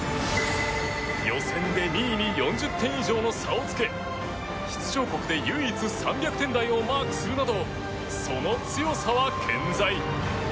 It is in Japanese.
予選で２位に４０点以上の差をつけ出場国で唯一３００点台をマークするなどその強さは健在。